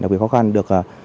đặc biệt khó khăn được